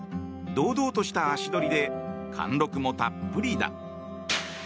堂々とした足取りで貫録もたっぷりだ。